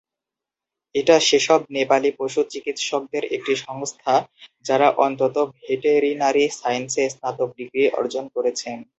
এটা সেসব নেপালী পশু চিকিৎসকদের একটি সংস্থা যারা অন্তত, ভেটেরিনারি সায়েন্সে স্নাতক ডিগ্রী অর্জন করেছেন।